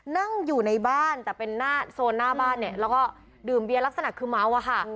นั่งอยู่ในบ้านแต่เป็นหน้าโซนหน้าบ้านเนี่ยแล้วก็ดื่มเบียร์ลักษณะคือเมาอะค่ะ